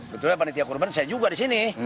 betulnya panitia kurban saya juga di sini